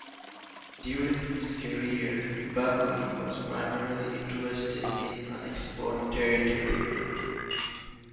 During his career, Buckley was primarily interested in unexplored territory.